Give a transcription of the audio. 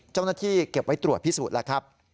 เจ้าหน้าที่เก็บไว้ตรวจพิสูจน์แล้วครับ